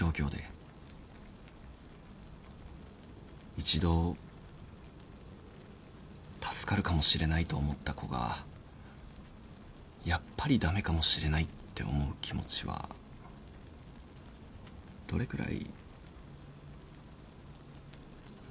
一度助かるかもしれないと思った子がやっぱり駄目かもしれないって思う気持ちはどれくらい。